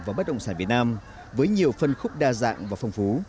và bất động sản việt nam với nhiều phân khúc đa dạng và phong phú